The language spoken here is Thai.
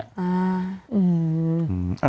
อืม